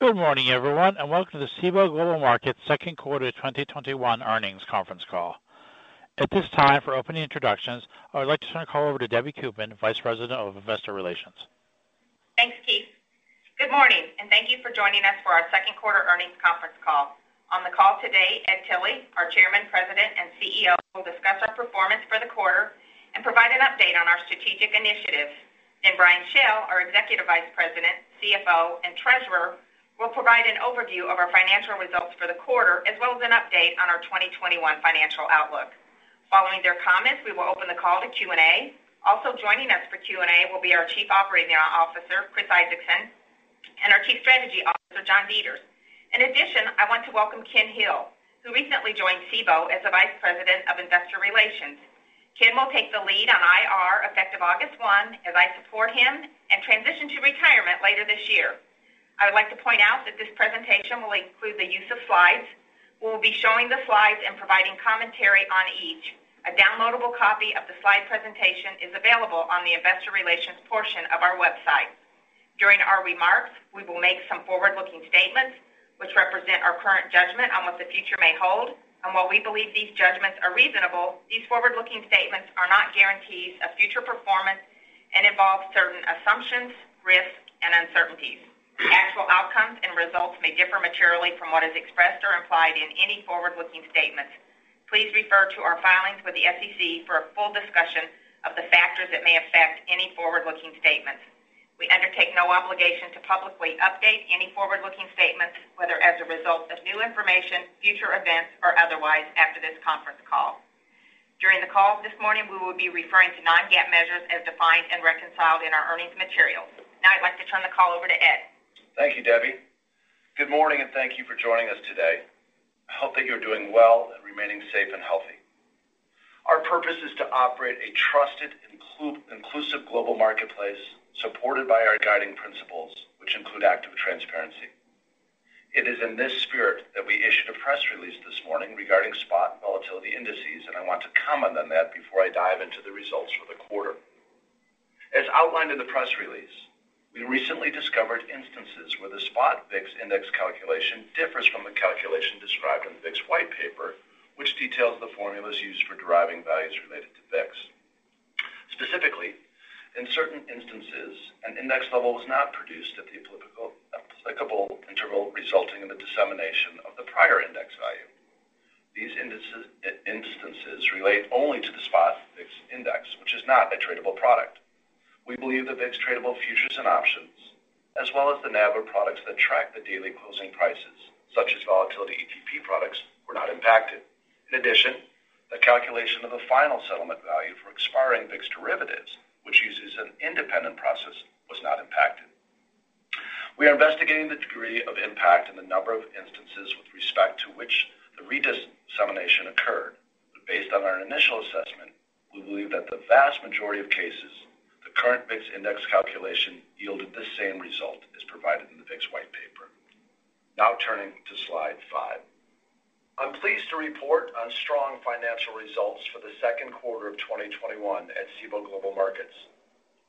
Good morning, everyone, and welcome to the Cboe Global Markets second quarter 2021 earnings conference call. At this time, for opening introductions, I would like to turn the call over to Debbie Koopman, Vice President of Investor Relations. Thanks, Keith. Good morning. Thank you for joining us for our second quarter earnings conference call. On the call today, Ed Tilly, our Chairman, President, and CEO, will discuss our performance for the quarter and provide an update on our strategic initiatives. Brian Schell, our Executive Vice President, CFO, and Treasurer, will provide an overview of our financial results for the quarter as well as an update on our 2021 financial outlook. Following their comments, we will open the call to Q&A. Also joining us for Q&A will be our Chief Operating Officer, Chris Isaacson, and our Chief Strategy Officer, John Deters. In addition, I want to welcome Ken Hill, who recently joined Cboe as the Vice President of Investor Relations. Ken will take the lead on IR effective August 1 as I support him and transition to retirement later this year. I would like to point out that this presentation will include the use of slides. We'll be showing the slides and providing commentary on each. A downloadable copy of the slide presentation is available on the investor relations portion of our website. During our remarks, we will make some forward-looking statements which represent our current judgment on what the future may hold, and while we believe these judgments are reasonable, these forward-looking statements are not guarantees of future performance and involve certain assumptions, risks, and uncertainties. Actual outcomes and results may differ materially from what is expressed or implied in any forward-looking statements. Please refer to our filings with the SEC for a full discussion of the factors that may affect any forward-looking statements. We undertake no obligation to publicly update any forward-looking statements, whether as a result of new information, future events, or otherwise after this conference call. During the call this morning, we will be referring to non-GAAP measures as defined and reconciled in our earnings materials. Now I'd like to turn the call over to Ed. Thank you, Debbie. Good morning, and thank you for joining us today. I hope that you're doing well and remaining safe and healthy. Our purpose is to operate a trusted, inclusive global marketplace supported by our guiding principles, which include active transparency. It is in this spirit that we issued a press release this morning regarding spot volatility indices, and I want to comment on that before I dive into the results for the quarter. As outlined in the press release, we recently discovered instances where the spot VIX index calculation differs from the calculation described in the VIX white paper, which details the formulas used for deriving values related to VIX. Specifically, in certain instances, an index level was not produced at the applicable interval, resulting in the dissemination of the prior index value. These instances relate only to the spot VIX index, which is not a tradable product. We believe that VIX tradable futures and options, as well as the NAV products that track the daily closing prices, such as volatility ETP products, were not impacted. In addition, the calculation of the final settlement value for expiring VIX derivatives, which uses an independent process, was not impacted. We are investigating the degree of impact and the number of instances with respect to which the redissemination occurred. Based on our initial assessment, we believe that the vast majority of cases, the current VIX Index calculation yielded the same result as provided in the VIX white paper. Turning to slide 5. I'm pleased to report on strong financial results for the second quarter of 2021 at Cboe Global Markets.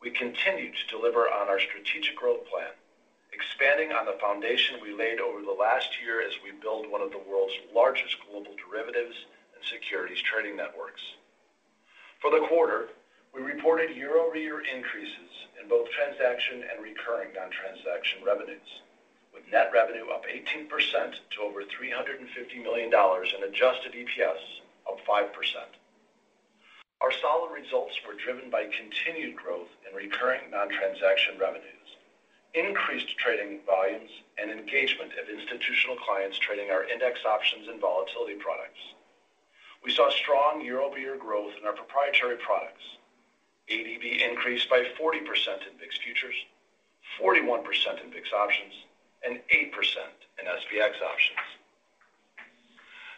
We continue to deliver on our strategic growth plan, expanding on the foundation we laid over the last year as we build one of the world's largest global derivatives and securities trading networks. For the quarter, we reported year-over-year increases in both transaction and recurring non-transaction revenues, with net revenue up 18% to over $350 million and adjusted EPS up 5%. Our solid results were driven by continued growth in recurring non-transaction revenues, increased trading volumes, and engagement of institutional clients trading our index options and volatility products. We saw strong year-over-year growth in our proprietary products. ADV increased by 40% in VIX futures, 41% in VIX options, and 8% in SPX options.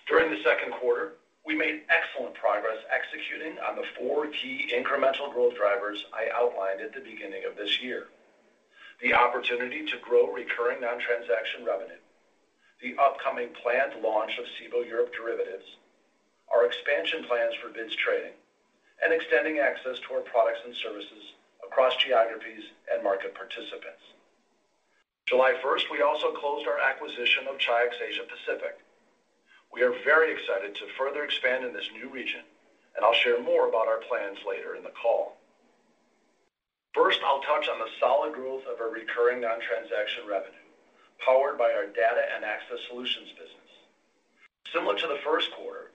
During the second quarter, we made excellent progress executing on the four key incremental growth drivers I outlined at the beginning of this year. The opportunity to grow recurring non-transaction revenue, the upcoming planned launch of Cboe Europe Derivatives, our expansion plans for VIX trading, and extending access to our products and services across geographies and market participants. July 1st, we also closed our acquisition of Chi-X Asia Pacific. We are very excited to further expand in this new region. I'll share more about our plans later in the call. First, I'll touch on the solid growth of our recurring non-transaction revenue, powered by our data and access solutions business. Similar to the first quarter,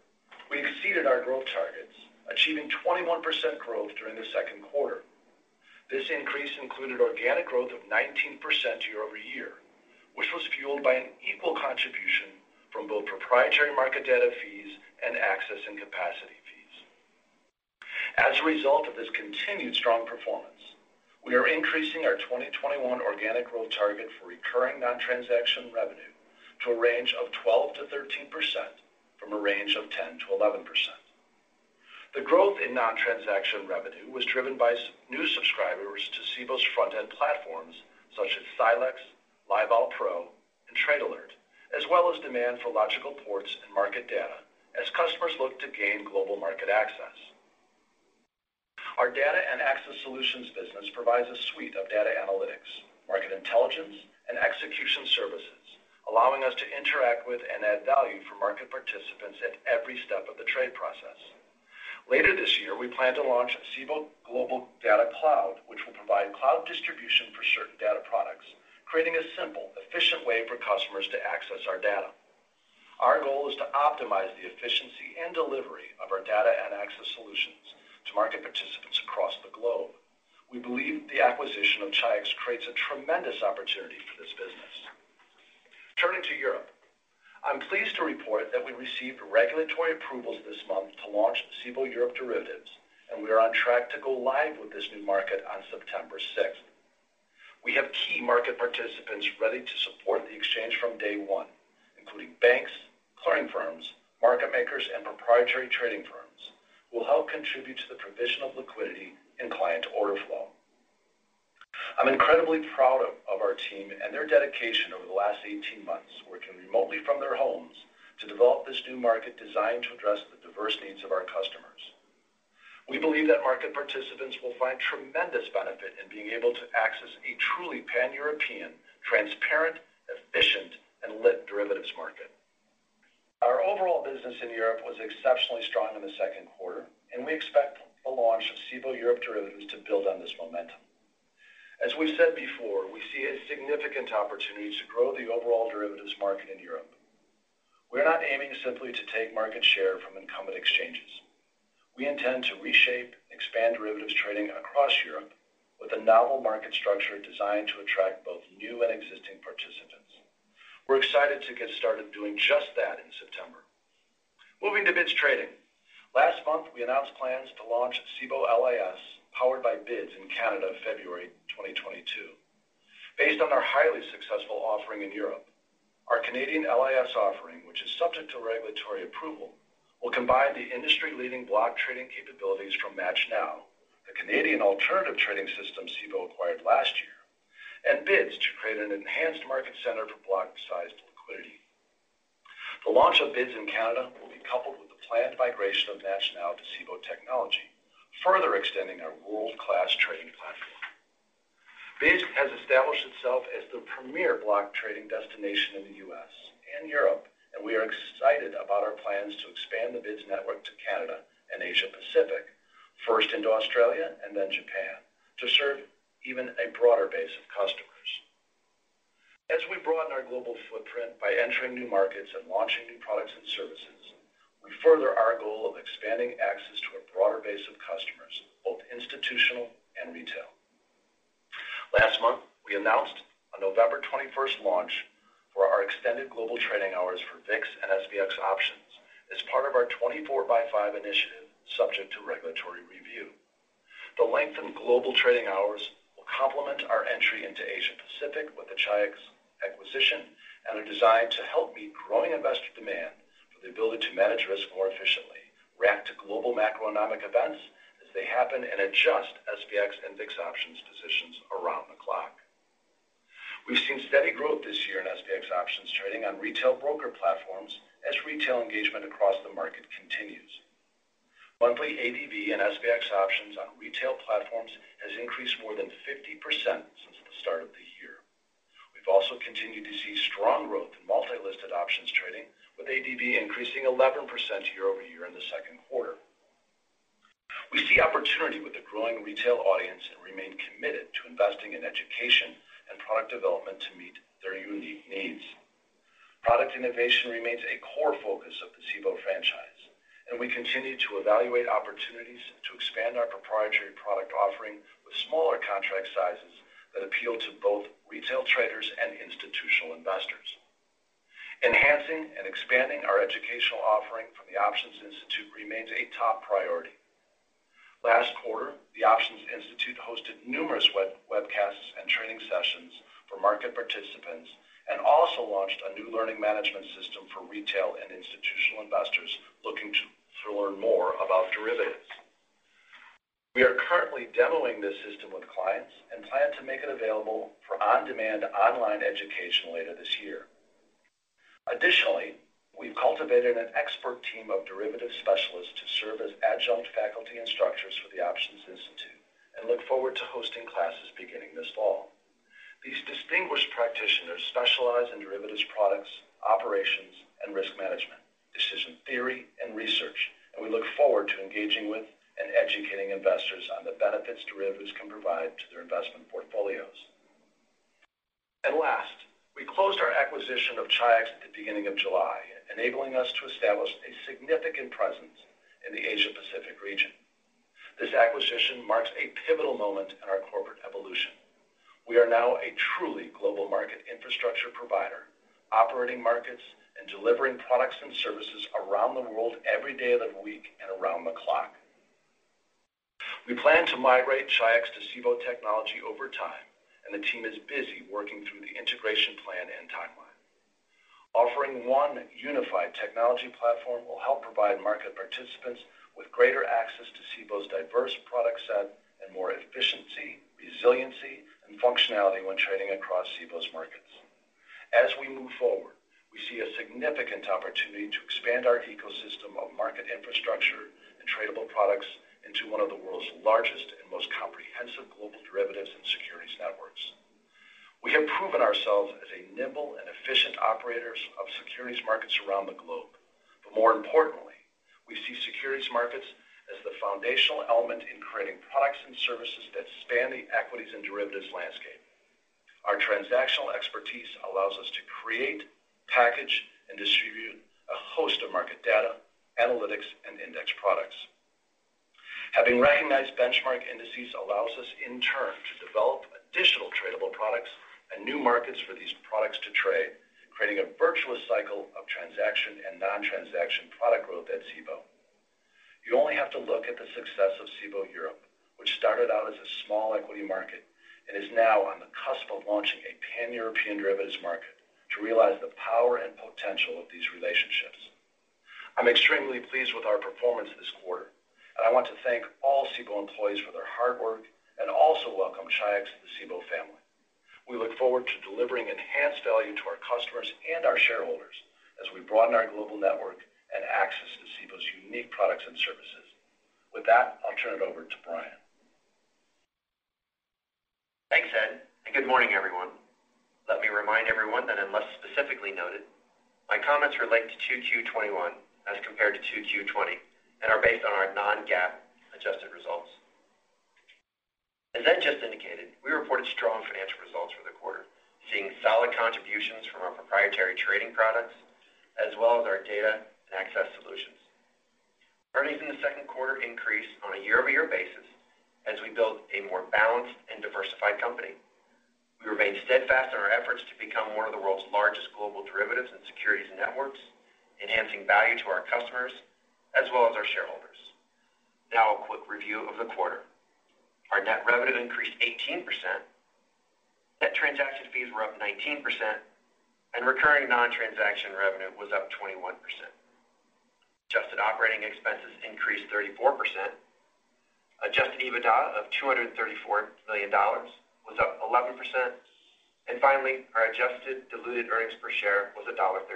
we exceeded our growth targets, achieving 21% growth during the second quarter. This increase included organic growth of 19% year-over-year, which was fueled by an equal contribution from both proprietary market data fees and access and capacity fees. As a result of this continued strong performance, we are increasing our 2021 organic growth target for recurring non-transaction revenue to a range of 12%-13% from a range of 10%-11%. The growth in non-transaction revenue was driven by new subscribers to Cboe's front-end platforms such as Cboe Silexx, LiveVol Pro, and Trade Alert, as well as demand for logical ports and market data as customers look to gain global market access. Our data and access solutions business provides a suite of data analytics, market intelligence, and execution services, allowing us to interact with and add value for market participants at every step of the trade process. Later this year, we plan to launch Cboe Global Cloud, which will provide cloud distribution for certain data products, creating a simple, efficient way for customers to access our data. Our goal is to optimize the efficiency and delivery of our data and access solutions to market participants across the globe. We believe the acquisition of Chi-X creates a tremendous opportunity for this business. Turning to Europe, I'm pleased to report that we received regulatory approvals this month to launch Cboe Europe Derivatives, and we are on track to go live with this new market on September 6th. We have key market participants ready to support the exchange from day one, including banks, clearing firms, market makers, and proprietary trading firms who will help contribute to the provision of liquidity and client order flow. I'm incredibly proud of our team and their dedication over the last 18 months, working remotely from their homes to develop this new market designed to address the diverse needs of our customers. We believe that market participants will find tremendous benefit in being able to access a truly pan-European, transparent, efficient, and lit derivatives market. Our overall business in Europe was exceptionally strong in the second quarter, and we expect the launch of Cboe Europe Derivatives to build on this momentum. As we've said before, we see a significant opportunity to grow the overall derivatives market in Europe. We're not aiming simply to take market share from incumbent exchanges. We intend to reshape and expand derivatives trading across Europe with a novel market structure designed to attract both new and existing participants. We're excited to get started doing just that in September. Moving to BIDS Trading, last month, we announced plans to launch Cboe LIS, powered by BIDS in Canada, February 2022. Based on our highly successful offering in Europe, our Canadian LIS offering, which is subject to regulatory approval, will combine the industry-leading block trading capabilities from MATCHNow, the Canadian alternative trading system Cboe acquired last year, and BIDS to create an enhanced market center for block-sized liquidity. The launch of BIDS in Canada will be coupled with the planned migration of MATCHNow to Cboe technology, further extending our world-class trading platform. BIDS has established itself as the premier block trading destination in the U.S. and Europe, and we are excited about our plans to expand the BIDS network to Canada and Asia Pacific, first into Australia and then Japan, to serve even a broader base of customers. As we broaden our global footprint by entering new markets and launching new products and services, we further our goal of expanding access to a broader base of customers, both institutional and retail. Last month, we announced a November 21st launch for our extended global trading hours for VIX and SPX options as part of our 24x5 initiative, subject to regulatory review. The lengthened global trading hours will complement our entry into Asia Pacific with the Chi-X acquisition and are designed to help meet growing investor demand for the ability to manage risk more efficiently, react to global macroeconomic events as they happen, and adjust SPX and VIX options positions around the clock. We've seen steady growth this year in SPX options trading on retail broker platforms as retail engagement across the market continues. Monthly ADV and VIX options on retail platforms has increased more than 50% since the start of the year. We've also continued to see strong growth in multi-listed options trading, with ADV increasing 11% year-over-year in the second quarter. We see opportunity with the growing retail audience and remain committed to investing in education and product development to meet their unique needs. Product innovation remains a core focus of the Cboe franchise, and we continue to evaluate opportunities to expand our proprietary product offering with smaller contract sizes that appeal to both retail traders and institutional investors. Enhancing and expanding our educational offering from The Options Institute remains a top priority. Last quarter, The Options Institute hosted numerous webcasts and training sessions for market participants and also launched a new learning management system for retail and institutional investors looking to learn more about derivatives. We are currently demoing this system with clients and plan to make it available for on-demand online education later this year. Additionally, we've cultivated an expert team of derivative specialists to serve as adjunct faculty instructors for The Options Institute and look forward to hosting classes beginning this fall. These distinguished practitioners specialize in derivatives products, operations, and risk management, decision theory, and research, and we look forward to engaging with and educating investors on the benefits derivatives can provide to their investment portfolios. Last, we closed our acquisition of Chi-X at the beginning of July, enabling us to establish a significant presence in the Asia Pacific region. This acquisition marks a pivotal moment in our corporate evolution. We are now a truly global market infrastructure provider, operating markets and delivering products and services around the world every day of the week and around the clock. We plan to migrate Chi-X to Cboe technology over time, and the team is busy working through the integration plan and timeline. Offering one unified technology platform will help provide market participants with greater access to Cboe's diverse product set and more efficiency, resiliency, and functionality when trading across Cboe's markets. As we move forward, we see a significant opportunity to expand our ecosystem of market infrastructure and tradable products into one of the world's largest and most comprehensive global derivatives and securities networks. We have proven ourselves as a nimble and efficient operators of securities markets around the globe. More importantly, we see securities markets as the foundational element in creating products and services that span the equities and derivatives landscape. Our transactional expertise allows us to create, package, and distribute a host of market data, analytics, and index products. Having recognized benchmark indices allows us in turn to develop additional tradable products and new markets for these products to trade, creating a virtuous cycle of transaction and non-transaction product growth at Cboe. You only have to look at the success of Cboe Europe, which started out as a small equity market and is now on the cusp of launching a pan-European derivatives market to realize the power and potential of these relationships. I'm extremely pleased with our performance this quarter, and I want to thank all Cboe employees for their hard work and also welcome Chi-X to the Cboe family. We look forward to delivering enhanced value to our customers and our shareholders as we broaden our global network and access to Cboe's unique products and services. With that, I'll turn it over to Brian. Thanks, Ed. Good morning, everyone. Let me remind everyone that unless specifically noted, my comments relate to Q2 2021 as compared to Q2 2020 and are based on our non-GAAP adjusted results. As Ed just indicated, we reported strong financial results for the quarter, seeing solid contributions from our proprietary trading products, as well as our data and access solutions. Earnings in the second quarter increased on a year-over-year basis as we built a more balanced and diversified company. We remain steadfast in our efforts to become one of the world's largest global derivatives and securities networks, enhancing value to our customers as well as our shareholders. Now, a quick review of the quarter. Our net revenue increased 18%, net transaction fees were up 19%, and recurring non-transaction revenue was up 21%. Adjusted operating expenses increased 34%. Adjusted EBITDA of $234 million was up 11%. Finally, our adjusted diluted earnings per share was $1.38,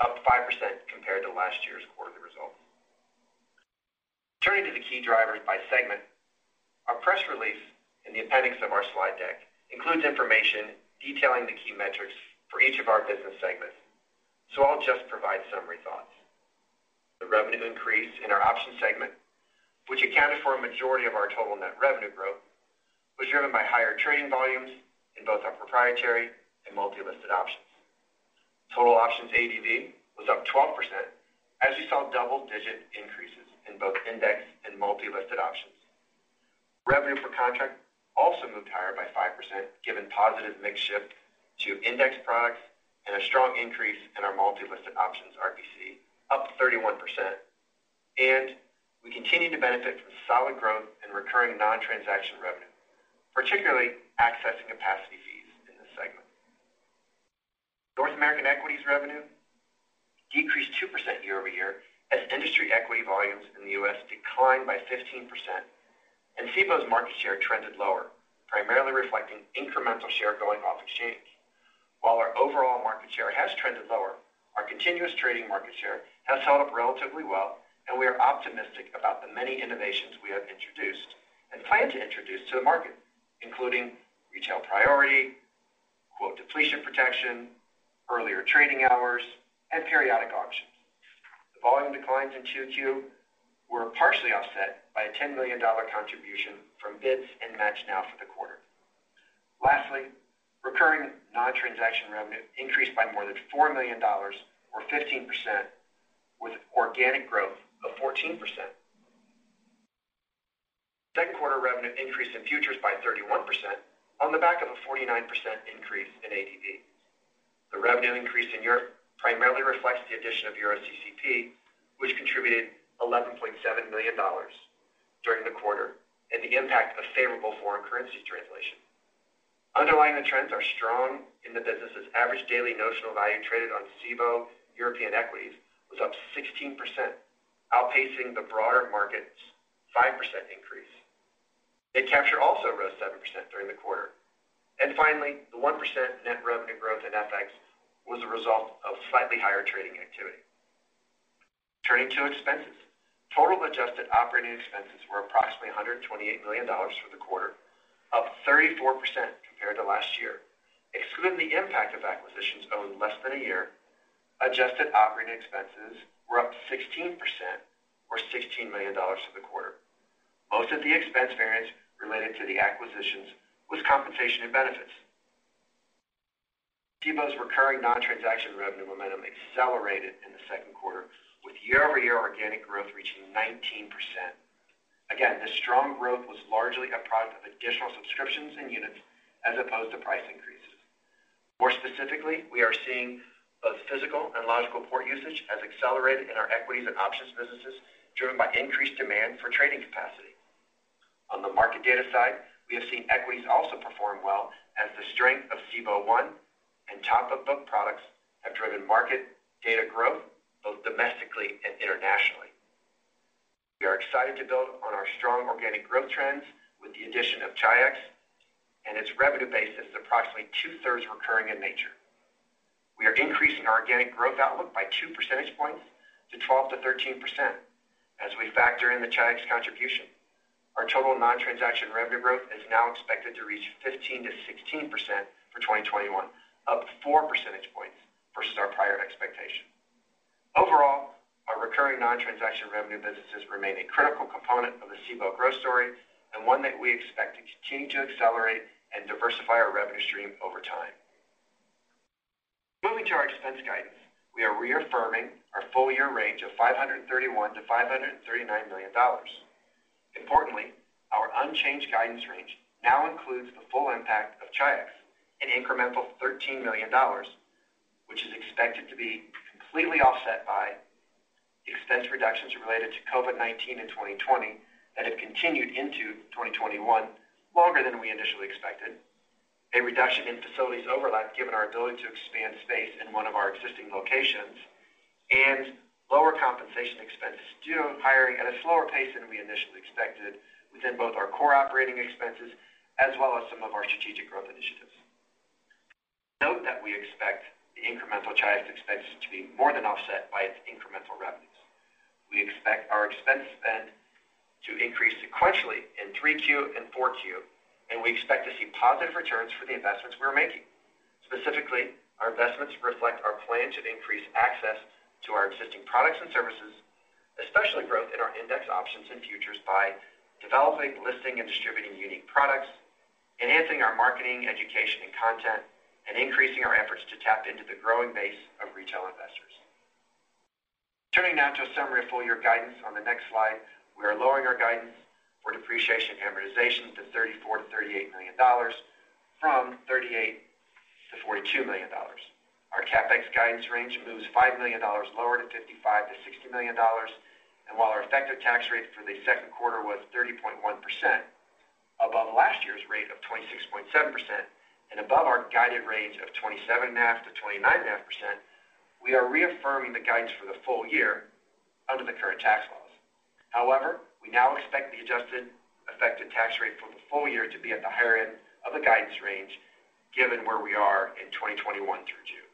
up 5% compared to last year's quarter results. Turning to the key drivers by segment, our press release in the appendix of our slide deck includes information detailing the key metrics for each of our business segments. I'll just provide summary thoughts. The revenue increase in our option segment, which accounted for a majority of our total net revenue growth, was driven by higher trading volumes in both our proprietary and multi-listed options. Total options ADV was up 12% as we saw double-digit increases in both index and multi-listed options. Revenue per contract also moved higher by 5%, given positive mix shift to index products and a strong increase in our multi-listed options RPC, up 31%. We continue to benefit from solid growth in recurring non-transaction revenue, particularly access and capacity fees in this segment. North American equities revenue decreased 2% year-over-year as industry equity volumes in the U.S. declined by 15% and Cboe's market share trended lower, primarily reflecting incremental share going off exchange. While our overall market share has trended lower, our continuous trading market share has held up relatively well, and we are optimistic about the many innovations we have introduced and plan to introduce to the market, including retail priority, quote depletion protection, earlier trading hours, and periodic options. The volume declines in Q2 were partially offset by a $10 million contribution from BIDS and MATCHNow for the quarter. Lastly, recurring non-transaction revenue increased by more than $4 million, or 15%, with organic growth of 14%. Second quarter revenue increased in futures by 31% on the back of a 49% increase in ADV. The revenue increase in Europe primarily reflects the addition of EuroCCP, which contributed $11.7 million during the quarter, and the impact of favorable foreign currency translation. Underlying the trends are strong in the businesses. Average daily notional value traded on Cboe European equities was up 16%, outpacing the broader market's 5% increase. Mid capture also rose 7% during the quarter. Finally, the 1% net revenue growth in FX was a result of slightly higher trading activity. Turning to expenses. Total adjusted operating expenses were approximately $128 million for the quarter, up 34% compared to last year. Excluding the impact of acquisitions owned less than a year, adjusted operating expenses were up 16%, or $16 million for the quarter. Most of the expense variance related to the acquisitions was compensation and benefits. Cboe's recurring non-transaction revenue momentum accelerated in the second quarter with year-over-year organic growth reaching 19%. Again, this strong growth was largely a product of additional subscriptions and units as opposed to price increases. More specifically, we are seeing both physical and logical port usage has accelerated in our equities and options businesses, driven by increased demand for trading capacity. On the market data side, we have seen equities also perform well as the strength of Cboe One and top of book products have driven market data growth both domestically and internationally. To build on our strong organic growth trends with the addition of Chi-X and its revenue base that's approximately two-thirds recurring in nature. We are increasing our organic growth outlook by 2 percentage points to 12%-13% as we factor in the Chi-X contribution. Our total non-transaction revenue growth is now expected to reach 15%-16% for 2021, up 4 percentage points versus our prior expectation. Overall, our recurring non-transaction revenue businesses remain a critical component of the Cboe growth story and one that we expect to continue to accelerate and diversify our revenue stream over time. Moving to our expense guidance, we are reaffirming our full-year range of $531 million-$539 million. Importantly, our unchanged guidance range now includes the full impact of Chi-X, an incremental $13 million, which is expected to be completely offset by expense reductions related to COVID-19 in 2020 that have continued into 2021 longer than we initially expected, a reduction in facilities overlap given our ability to expand space in one of our existing locations, and lower compensation expenses due to hiring at a slower pace than we initially expected within both our core operating expenses as well as some of our strategic growth initiatives. Note that we expect the incremental Chi-X expenses to be more than offset by its incremental revenues. We expect our expense spend to increase sequentially in 3Q and 4Q, and we expect to see positive returns for the investments we are making. Specifically, our investments reflect our plan to increase access to our existing products and services, especially growth in our index options and futures by developing, listing, and distributing unique products, enhancing our marketing, education, and content, and increasing our efforts to tap into the growing base of retail investors. Turning now to a summary of full-year guidance on the next slide. We are lowering our guidance for depreciation and amortization to $34 million-$38 million from $38 million-$42 million. Our CapEx guidance range moves $5 million lower to $55 million-$60 million. While our effective tax rate for the second quarter was 30.1%, above last year's rate of 26.7% and above our guided range of 27.5%-29.5%, we are reaffirming the guidance for the full year under the current tax laws. However, we now expect the adjusted effective tax rate for the full year to be at the higher end of the guidance range given where we are in 2021 through June.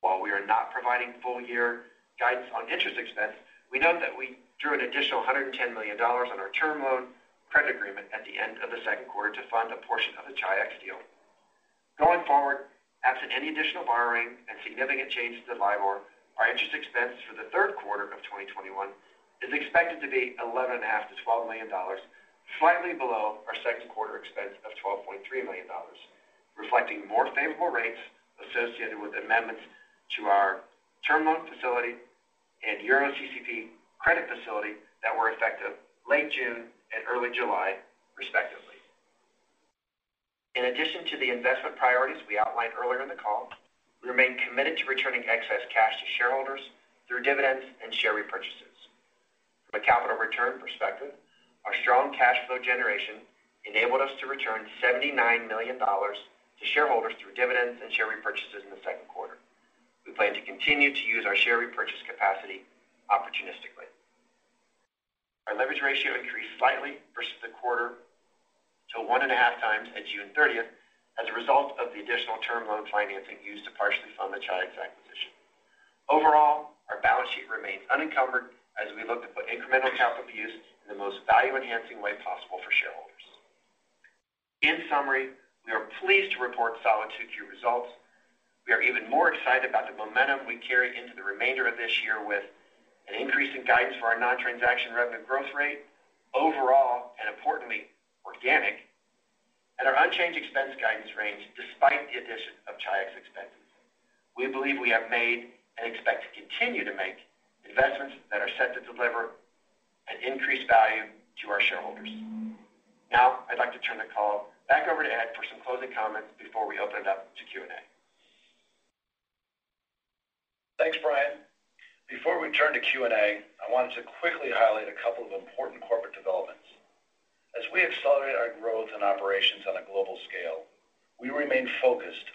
While we are not providing full-year guidance on interest expense, we note that we drew an additional $110 million on our term loan credit agreement at the end of the second quarter to fund a portion of the Chi-X deal. Going forward, absent any additional borrowing and significant changes to LIBOR, our interest expense for the third quarter of 2021 is expected to be $11.5 million-$12 million, slightly below our second quarter expense of $12.3 million, reflecting more favorable rates associated with amendments to our term loan facility and EuroCCP credit facility that were effective late June and early July, respectively. In addition to the investment priorities we outlined earlier in the call, we remain committed to returning excess cash to shareholders through dividends and share repurchases. From a capital return perspective, our strong cash flow generation enabled us to return $79 million to shareholders through dividends and share repurchases in the second quarter. We plan to continue to use our share repurchase capacity opportunistically. Our leverage ratio increased slightly versus the quarter to 1.5 times at June 30th as a result of the additional term loan financing used to partially fund the Chi-X acquisition. Overall, our balance sheet remains unencumbered as we look to put incremental capital to use in the most value-enhancing way possible for shareholders. In summary, we are pleased to report solid Q2 results. We are even more excited about the momentum we carry into the remainder of this year with an increase in guidance for our non-transaction revenue growth rate overall, and importantly, organic, and our unchanged expense guidance range despite the addition of Chi-X expenses. We believe we have made and expect to continue to make investments that are set to deliver an increased value to our shareholders. I'd like to turn the call back over to Ed for some closing comments before we open it up to Q&A. Thanks, Brian. Before we turn to Q&A, I wanted to quickly highlight a couple of important corporate developments. As we accelerate our growth and operations on a global scale, we remain focused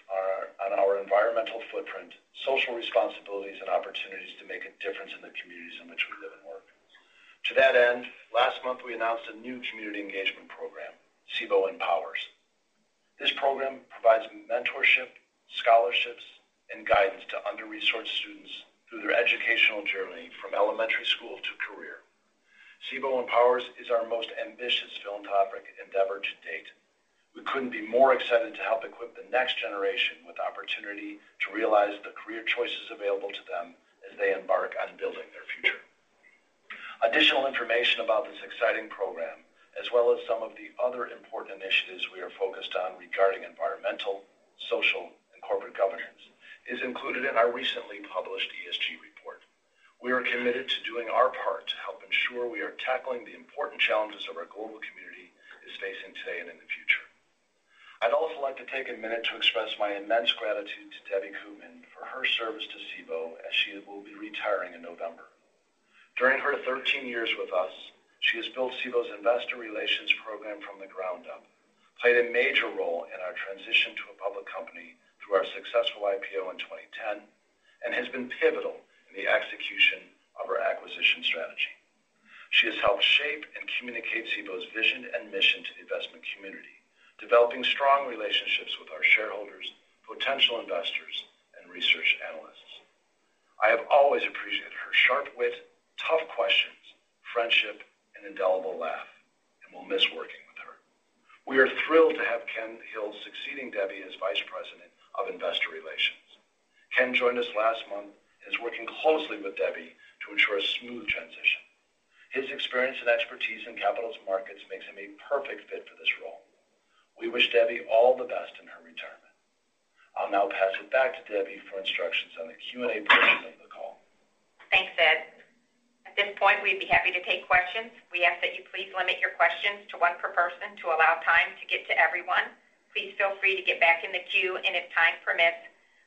on our environmental footprint, social responsibilities, and opportunities to make a difference in the communities in which we live and work. To that end, last month, we announced a new community engagement program, Cboe Empowers. This program provides mentorship, scholarships, and guidance to under-resourced students through their educational journey from elementary school to career. Cboe Empowers is our most ambitious philanthropic endeavor to date. We couldn't be more excited to help equip the next generation with opportunity to realize the career choices available to them as they embark on building their future. Additional information about this exciting program, as well as some of the other important initiatives we are focused on regarding environmental, social, and corporate governance, is included in our recently published ESG report. We are committed to doing our part to help ensure we are tackling the important challenges that our global community is facing today and in the future. I'd also like to take a minute to express my immense gratitude to Debbie Koopman for her service to Cboe as she will be retiring in November. During her 13 years with us, she has built Cboe's investor relations program from the ground up, played a major role in our transition to a public company through our successful IPO in 2010, and has been pivotal in the execution of our acquisition strategy. She has helped shape and communicate Cboe's vision and mission to the investment community, developing strong relationships with our shareholders, potential investors, and research analysts. I have always appreciated her sharp wit, tough questions, friendship, and indelible laugh, and will miss working with her. We are thrilled to have Ken Hill succeeding Debbie as Vice President of Investor Relations. Ken joined us last month, and is working closely with Debbie to ensure a smooth transition. His experience and expertise in capital markets makes him a perfect fit for this role. We wish Debbie all the best in her retirement. I'll now pass it back to Debbie for instructions on the Q&A portion of the call. Thanks, Ed. At this point, we'd be happy to take questions. We ask that you please limit your questions to one per person to allow time to get to everyone. Please feel free to get back in the queue, and if time permits,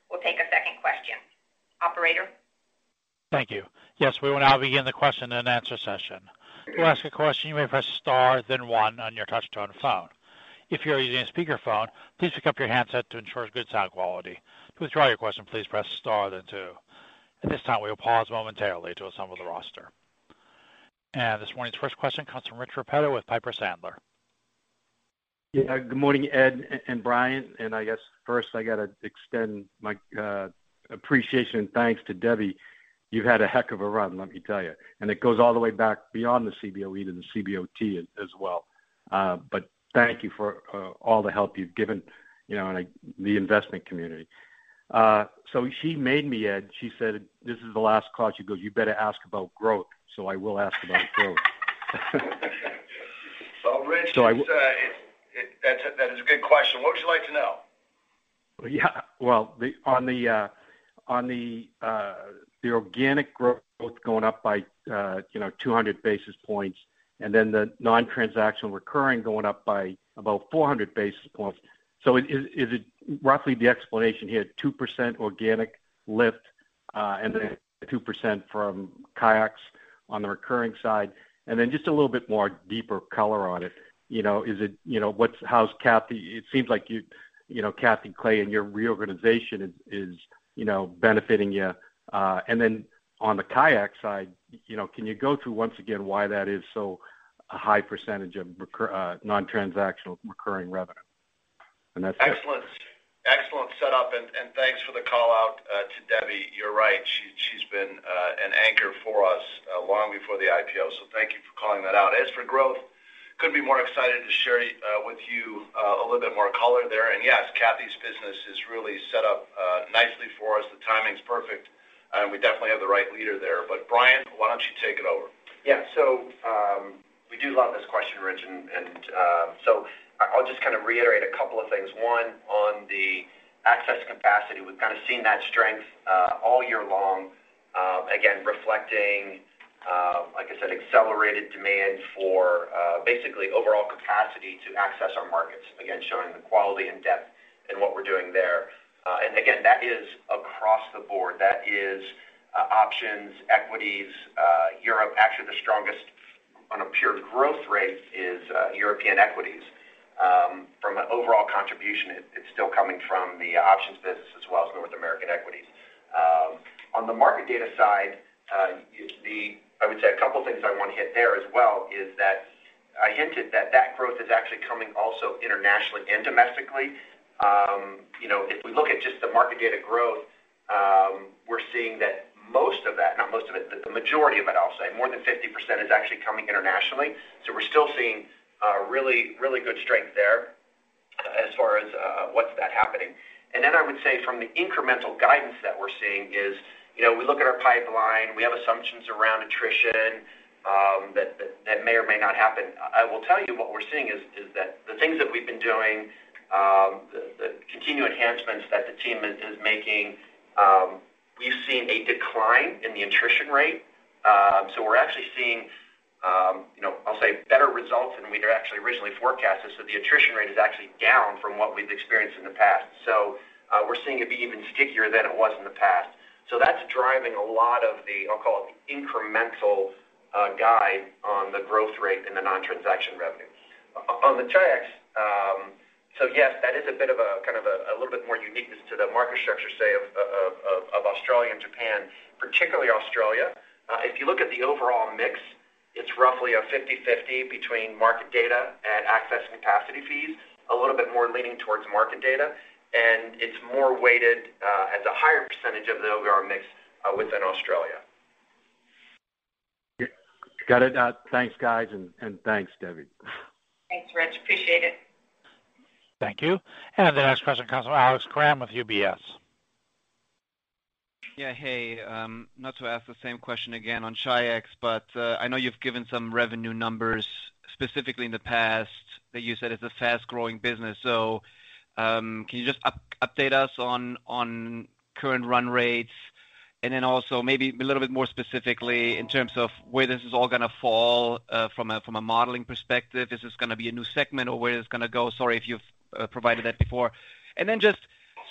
we'll take a second question. Operator? Thank you. Yes, we will now begin the question-and-answer session. To ask a question, you press star then one on your touch tone phone. If you're using a speakerphone, please pick up your handset to ensure good sound quality. To withdraw your question, please press star then two. At this time, we will pause momentarily to assemble the roster. This morning's first question comes from Richard Repetto with Piper Sandler. Yeah. Good morning, Ed and Brian. I guess first I got to extend my appreciation and thanks to Debbie. You've had a heck of a run, let me tell you. It goes all the way back beyond the Cboe to the CBOT as well. Thank you for all the help you've given the investment community. She made me, Ed. She said, "This is the last call." She goes, "You better ask about growth." I will ask about growth. Rich, that is a good question. What would you like to know? Well, on the organic growth going up by 200 basis points, and then the non-transactional recurring going up by about 400 basis points. Is it roughly the explanation here, 2% organic lift and then 2% from Chi-X on the recurring side? Just a little bit more deeper color on it. It seems like Catherine Clay and your reorganization is benefiting you. On the Chi-X side, can you go through once again why that is so a high percentage of non-transactional recurring revenue? That's it. Excellent setup. Thanks for the call-out to Debbie. You're right. She's been an anchor for us long before the IPO. Thank you for calling that out. As for growth, couldn't be more excited to share with you a little bit more color there. Yes, Cathy's business is really set up nicely for us. The timing's perfect, and we definitely have the right leader there. Brian, why don't you take it over? We do love this question, Rich. I'll just kind of reiterate a couple of things. One, on the access capacity, we've kind of seen that strength all year long. Again, reflecting, like I said, accelerated demand for basically overall capacity to access our markets. Again, showing the quality and depth in what we're doing there. Again, that is across the board. That is options, equities. Europe, actually, the strongest on a pure growth rate is European equities. From an overall contribution, it's still coming from the options business as well as North American equities. On the market data side, I would say a couple of things I want to hit there as well, is that I hinted that growth is actually coming also internationally and domestically. If we look at just the market data growth, we're seeing that most of that, not most of it, the majority of it, I'll say, more than 50%, is actually coming internationally. We're still seeing really good strength there as far as what's that happening. I would say from the incremental guidance that we're seeing is, we look at our pipeline, we have assumptions around attrition that may or may not happen. I will tell you what we're seeing is that the things that we've been doing, the continued enhancements that the team is making, we've seen a decline in the attrition rate. We're actually seeing, I'll say, better results than we'd actually originally forecasted. The attrition rate is actually down from what we've experienced in the past. We're seeing it be even stickier than it was in the past. That's driving a lot of the, I'll call it, the incremental guide on the growth rate in the non-transaction revenue. On the Chi-X, yes, that is a bit of a little bit more uniqueness to the market structure, say, of Australia and Japan, particularly Australia. If you look at the overall mix, it's roughly a 50/50 between market data and access and capacity fees, a little bit more leaning towards market data, and it's more weighted as a higher percentage of the overall mix within Australia. Got it. Thanks, guys, and thanks, Debbie. Thanks, Rich. Appreciate it. Thank you. The next question comes from Alex Kramm with UBS. Yeah. Hey, not to ask the same question again on Chi-X. I know you've given some revenue numbers specifically in the past that you said it's a fast-growing business. Can you just update us on current run rates? Also maybe a little bit more specifically in terms of where this is all going to fall from a modeling perspective. Is this going to be a new segment, or where is this going to go? Sorry if you've provided that before.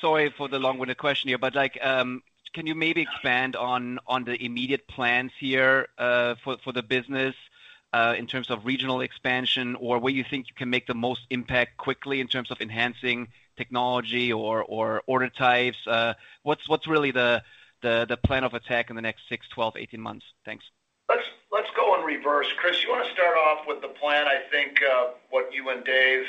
Sorry for the long-winded question here. Can you maybe expand on the immediate plans here, for the business, in terms of regional expansion or where you think you can make the most impact quickly in terms of enhancing technology or order types? What's really the plan of attack in the next six, 12, 18 months? Thanks. Let's go in reverse. Chris, you want to start off with the plan, I think, what you and Dave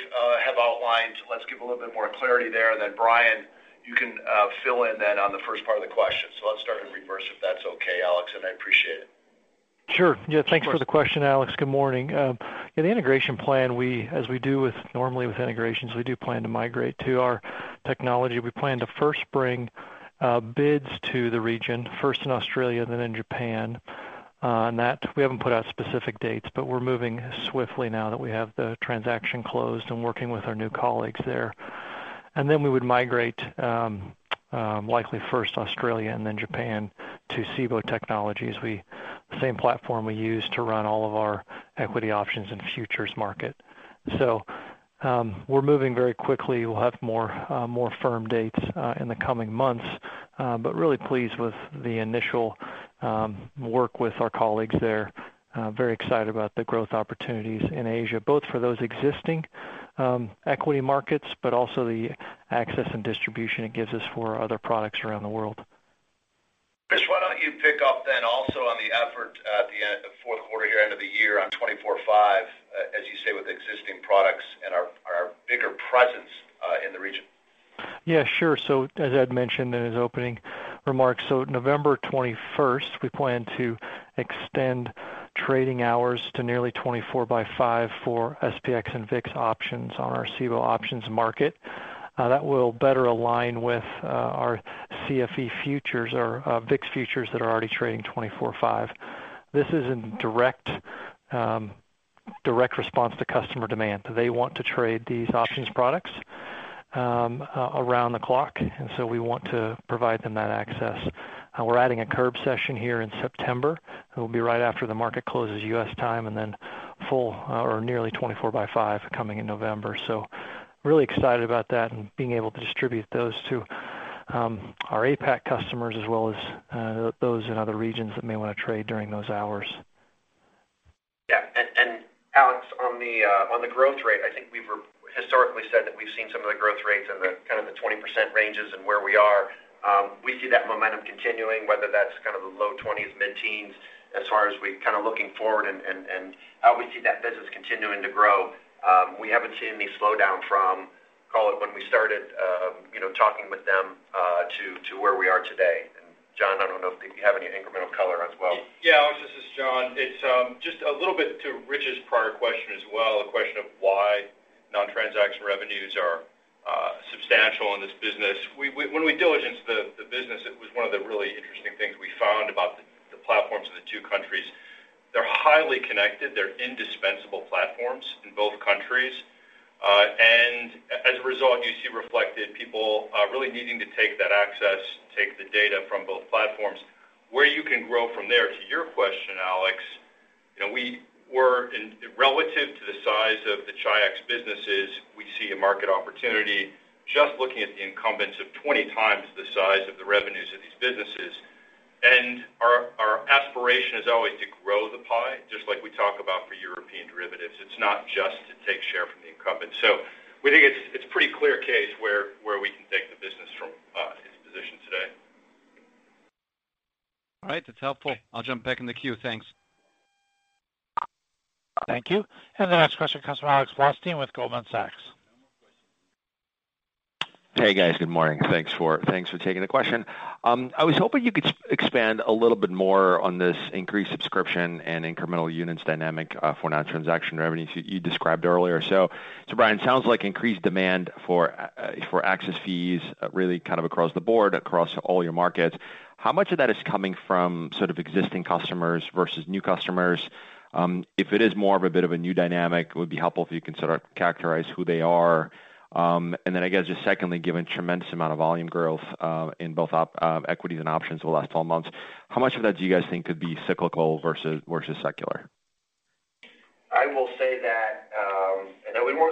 have outlined. Let's give a little bit more clarity there, and then Brian, you can fill in then on the first part of the question. So let's start in reverse, if that's okay, Alex, and I appreciate it. Sure. Thanks for the question, Alex. Good morning. The integration plan, as we do normally with integrations, we do plan to migrate to our technology. We plan to first bring BIDS to the region, first in Australia, then in Japan. On that, we haven't put out specific dates, but we're moving swiftly now that we have the transaction closed and working with our new colleagues there. Then we would migrate, likely first Australia and then Japan to Cboe technologies, the same platform we use to run all of our equity options in the futures market. We're moving very quickly. We'll have more firm dates in the coming months. Really pleased with the initial work with our colleagues there. Very excited about the growth opportunities in Asia, both for those existing equity markets, but also the access and distribution it gives us for other products around the world. Chris, why don't you pick up then also on the effort at the fourth quarter here, end of the year on 24x5, as you say, with existing products and our bigger presence in the region. Yeah, sure. As Ed mentioned in his opening remarks, November 21st, we plan to extend trading hours to nearly 24x5 for SPX and VIX options on our Cboe Options Market. That will better align with our CFE futures or VIX futures that are already trading 24x5. This is in direct response to customer demand. They want to trade these options products around the clock, so we want to provide them that access. We're adding a curb session here in September. It'll be right after the market closes U.S. time, then full or nearly 24x5 coming in November. Really excited about that and being able to distribute those to our APAC customers as well as those in other regions that may want to trade during those hours. Yeah. Alex, on the growth rate, I think we've historically said that we've seen some of the growth rates in the kind of the 20% ranges and where we are. We see that momentum continuing, whether that's kind of the low twenties, mid-teens, as far as we kind of looking forward and how we see that business continuing to grow. We haven't seen any slowdown from, call it when we started talking with them, to where we are today. John, I don't know if you have any incremental color as well. Yeah, Alex, this is John. It is just a little bit to Rich's prior question as well, a question of why non-transaction revenues are substantial in this business. When we diligenced the business, it was one of the really interesting things we found about the platforms of the two countries. They are highly connected. They are indispensable platforms in both countries. As a result, you see reflected people really needing to take that access, take the data from both platforms. Where you can grow from there, to your question, Alex, relative to the size of the Chi-X businesses, we see a market opportunity just looking at the incumbents of 20 times the size of the revenues of these businesses. Our aspiration is always to grow the pie, just like we talk about for European Derivatives. It is not just to take share from the incumbent. We think it's pretty clear case where we can take the business from its position today. All right. That's helpful. I'll jump back in the queue. Thanks. Thank you. The next question comes from Alex Wasserman with Goldman Sachs. Hey, guys. Good morning. Thanks for taking the question. I was hoping you could expand a little bit more on this increased subscription and incremental units dynamic for non-transaction revenues you described earlier. Brian, sounds like increased demand for access fees really kind of across the board, across all your markets. How much of that is coming from sort of existing customers versus new customers? If it is more of a bit of a new dynamic, it would be helpful if you can sort of characterize who they are. Then I guess just secondly, given tremendous amount of volume growth, in both equities and options over the last 12 months, how much of that do you guys think could be cyclical versus secular? I will say that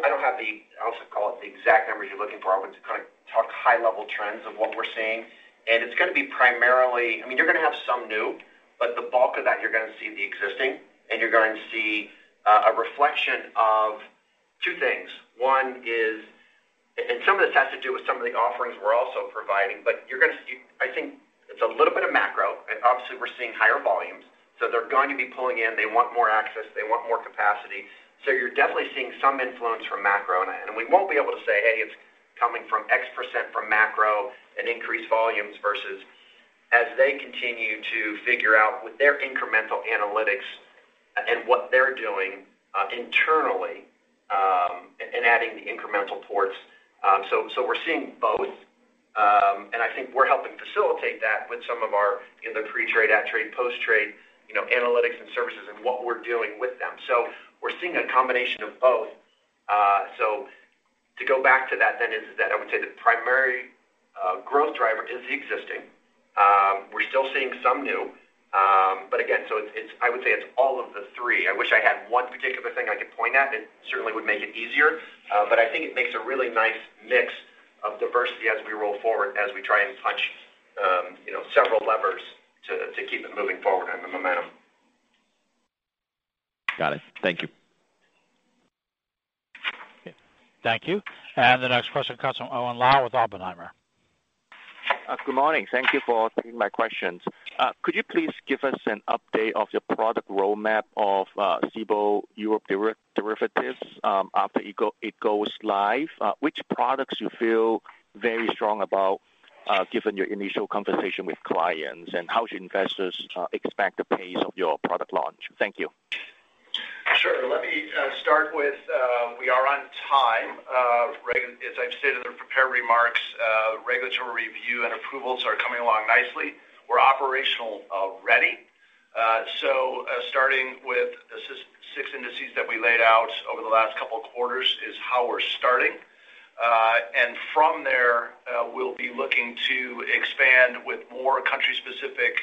I don't have the exact numbers you're looking for. I want to kind of talk high-level trends of what we're seeing. It's going to be primarily, I mean, you're going to have some new, but the bulk of that, you're going to see the existing, and you're going to see a reflection of two things. One is, some of this has to do with some of the offerings we're also providing. I think it's a little bit of macro. Obviously we're seeing higher volumes, they're going to be pulling in. They want more access. They want more capacity. You're definitely seeing some influence from macro, and we won't be able to say, "Hey, it's coming from X% from macro and increased volumes," versus as they continue to figure out with their incremental analytics and what they're doing internally, and adding the incremental ports. We're seeing both. I think we're helping facilitate that with some of our pre-trade, at trade, post-trade analytics and services and what we're doing with them. We're seeing a combination of both. To go back to that then is that I would say the primary growth driver is the existing We're still seeing some new. Again, I would say it's all of the three. I wish I had one particular thing I could point at. It certainly would make it easier. I think it makes a really nice mix of diversity as we roll forward, as we try and punch several levers to keep it moving forward on the momentum. Got it. Thank you. Thank you. The next question comes from Owen Lau with Oppenheimer. Good morning. Thank you for taking my questions. Could you please give us an update of your product roadmap of Cboe Europe Derivatives after it goes live? Which products you feel very strong about, given your initial conversation with clients, and how should investors expect the pace of your product launch? Thank you. Sure. Let me start with, we are on time. As I've stated in the prepared remarks, regulatory review and approvals are coming along nicely. We're operational already. Starting with the six indices that we laid out over the last couple of quarters is how we're starting. From there, we'll be looking to expand with more country-specific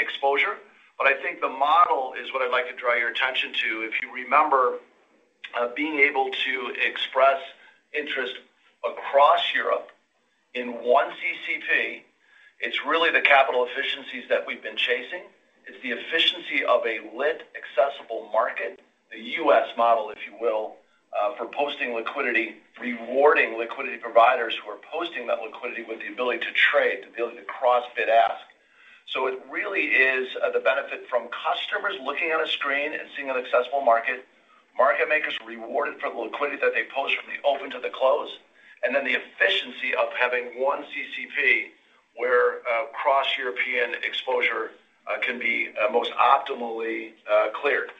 exposure. I think the model is what I'd like to draw your attention to. If you remember, being able to express interest across Europe in one CCP, it's really the capital efficiencies that we've been chasing. It's the efficiency of a lit, accessible market, the U.S. model, if you will, for posting liquidity, rewarding liquidity providers who are posting that liquidity with the ability to trade, the ability to cross bid-ask. It really is the benefit from customers looking at a screen and seeing an accessible market makers rewarded for the liquidity that they post from the open to the close, and then the efficiency of having one CCP, where cross-European exposure can be most optimally cleared.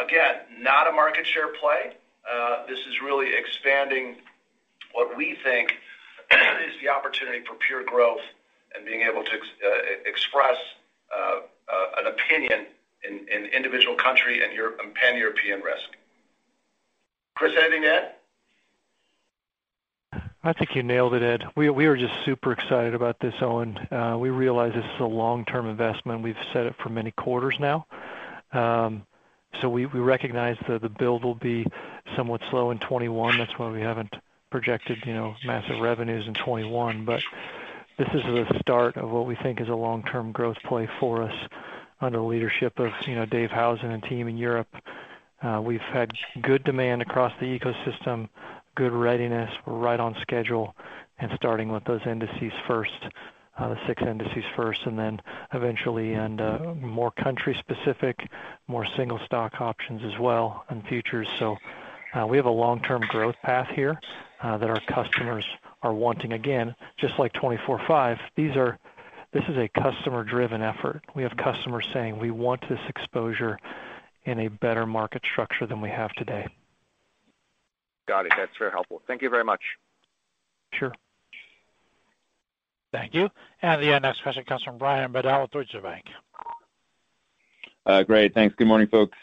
Again, not a market share play. This is really expanding what we think is the opportunity for pure growth and being able to express an opinion in individual country and pan-European risk. Chris, anything to add? I think you nailed it, Ed. We are just super excited about this, Owen. We realize this is a long-term investment. We've said it for many quarters now. We recognize that the build will be somewhat slow in 2021. That's why we haven't projected massive revenues in 2021. This is the start of what we think is a long-term growth play for us under the leadership of David Howson and team in Europe. We've had good demand across the ecosystem, good readiness. We're right on schedule and starting with those indices first, the six indices first, and then eventually more country-specific, more single-stock options as well, and futures. We have a long-term growth path here that our customers are wanting. Again, just like 24x5, this is a customer-driven effort. We have customers saying, "We want this exposure in a better market structure than we have today. Got it. That's very helpful. Thank you very much. Sure. Thank you. The next question comes from Brian Bedell with Deutsche Bank. Great. Thanks. Good morning, folks.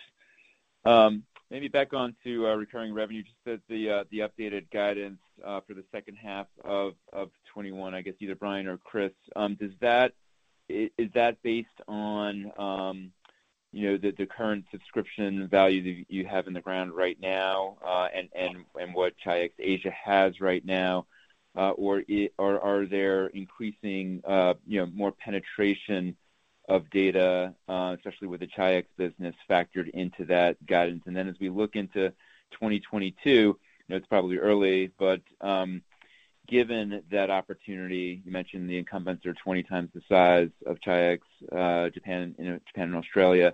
Maybe back onto recurring revenue, just the updated guidance for the second half of 2021, I guess either Brian or Chris. Is that based on the current subscription value that you have in the ground right now, and what Chi-X Asia has right now? Or are there increasing, more penetration of data, especially with the Chi-X business factored into that guidance? Then as we look into 2022, it's probably early, but given that opportunity, you mentioned the incumbents are 20 times the size of Chi-X in Japan and Australia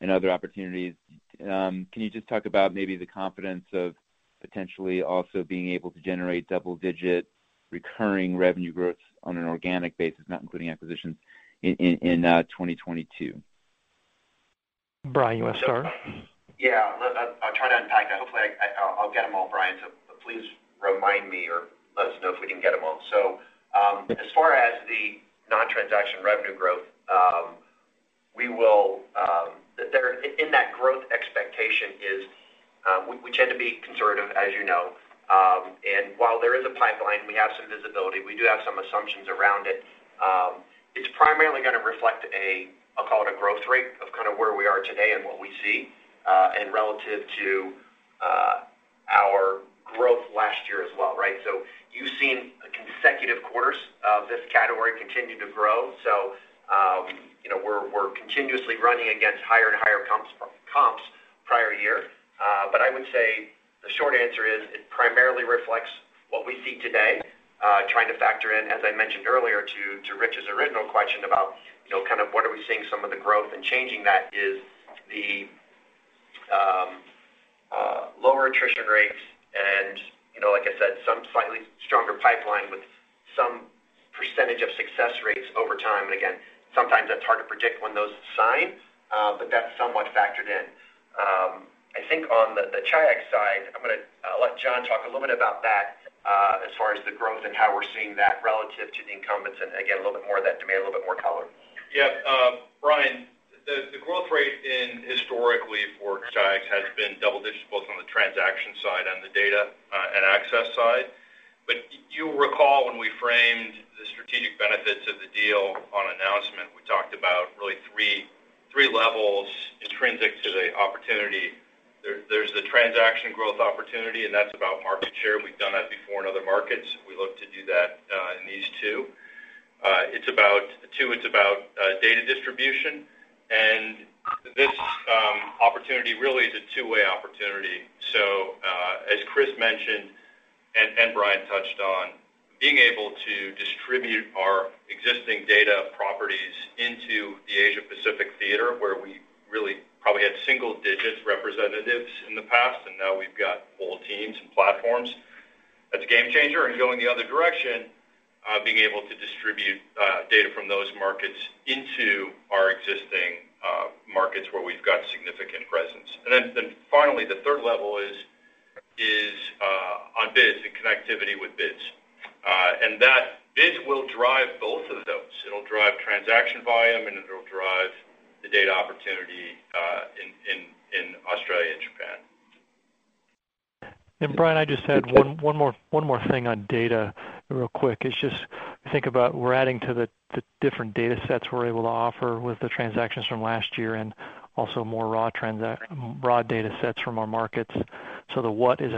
and other opportunities. Can you just talk about maybe the confidence of potentially also being able to generate double-digit recurring revenue growth on an organic basis, not including acquisitions, in 2022? Brian, you want to start? Yeah. I'll try to unpack that. Hopefully, I'll get them all, Brian, so please remind me or let us know if we didn't get them all. As far as the non-transaction revenue growth, in that growth expectation is we tend to be conservative, as you know. While there is a pipeline, we have some visibility. We do have some assumptions around it. It's primarily going to reflect, I'll call it a growth rate of kind of where we are today and what we see, and relative to our growth last year as well, right? You've seen consecutive quarters of this category continue to grow. We're continuously running against higher and higher comps prior year. I would say the short answer is it primarily reflects what we see today, trying to factor in, as I mentioned earlier to Rich's original question about kind of what are we seeing some of the growth in changing that is the lower attrition rates and like I said, some slightly stronger pipeline with some percentage of success rates over time. Again, sometimes that's hard to predict when those sign, but that's somewhat factored in. I think on the Chi-X side, I'm going to let John talk a little bit about that as far as the growth and how we're seeing that relative to the incumbents. Again, a little bit more of that demand, a little bit more color. The growth rate historically for Chi-X has been double digits, both on the transaction side and the data and access side. You'll recall when we framed the strategic benefits of the deal on announcement, we talked about really three levels intrinsic to the opportunity. There's the transaction growth opportunity, and that's about market share. We've done that before in other markets. We look to do that in these two. Two, it's about data distribution. This opportunity really is a two-way opportunity. As Chris mentioned and Brian touched on, being able to distribute our existing data properties into the Asia Pacific theater, where we really probably had single-digit representatives in the past, and now we've got whole teams and platforms. That's a game-changer. Going the other direction, being able to distribute data from those markets into our existing markets where we've got significant presence. Finally, the third level is on BIDS and connectivity with BIDS. That BIDS will drive both of those. It'll drive transaction volume, and it'll drive the data opportunity in Australia and Japan. Brian, I just had one more thing on data real quick. It's just, I think about we're adding to the different data sets we're able to offer with the transactions from last year and also more raw data sets from our markets. The what is